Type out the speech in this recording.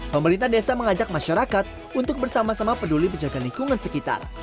pemerintah desa mengajak masyarakat untuk bersama sama peduli menjaga lingkungan sekitar